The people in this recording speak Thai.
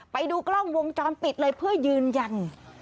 ไปดูกล้องวงจรปิดเลยเพื่อยืนยัน